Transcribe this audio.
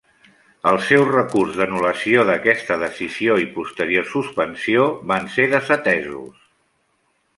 El seu recurs d'anul·lació d'aquesta decisió i posterior suspensió van ser desatesos.